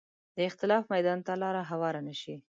د اختلاف میدان ته لاره هواره نه شي